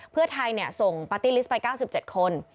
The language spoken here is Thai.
เพื่อไทยส่งปาร์ตี้ลิสต์ไป๙๗คน